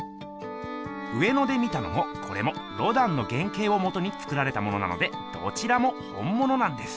上野で見たのもコレもロダンの原けいをもとに作られたものなのでどちらも「本もの」なんです。